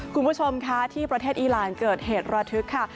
คุณผู้ชมค่ะที่ประเทศอีรานเกิดเหตุระทึกค่ะ